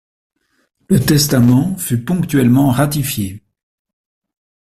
Le testament fut ponctuellement ratifié.